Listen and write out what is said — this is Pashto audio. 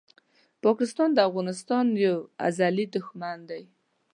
پاکستان د افغانستان یو ازلي دښمن دی!